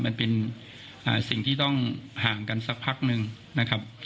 มันเป็นสิ่งที่ต้องห่างกันสักพักนึงนะครับ